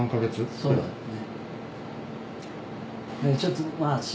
そうだね。